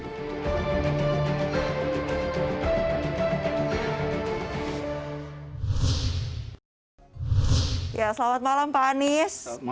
dki jakarta mencari penyelidikan yang lebih baik dari penyelidikan yang sudah diperlukan